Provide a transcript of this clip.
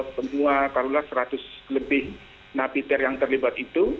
semua karulah seratus lebih napi teror yang terlibat itu